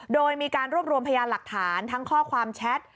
โดยมีการรวบรวมพยานหลักฐานทั้งข้อความแชท